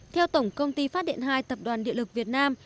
theo tổng công ty phát điện hai tập đoàn điện lực việt nam